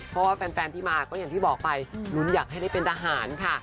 เพราะว่าแฟนที่มาก็อย่างที่บอกไปลุ้นอยากให้ได้เป็นทหารค่ะ